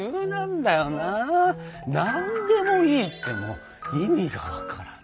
「何でもいい」って意味がわからない。